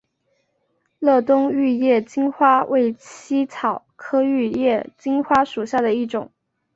乐东玉叶金花为茜草科玉叶金花属下的一个种。